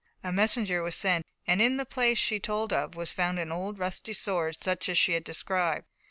A messenger was sent, and in the place she had told of was found an old rusty sword such as she had described.